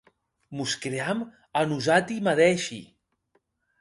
Mos cream a nosati madeishi.